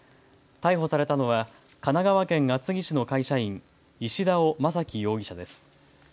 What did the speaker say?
逮捕されたのは神奈川県厚木市の会社員、石田尾督樹容疑者です。